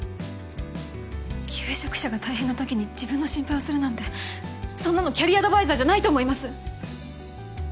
求職者が大変なときに自分の心配をするなんてそんなのキャリアアドバイザーじゃないと思います。